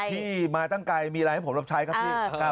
พี่มาตั้งไกลมีอะไรให้ผมรับใช้ครับพี่